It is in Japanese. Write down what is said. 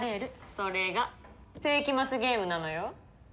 それが世紀末ゲームなのよ。